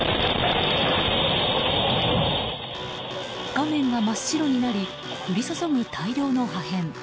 画面が真っ白になり降り注ぐ大量の破片。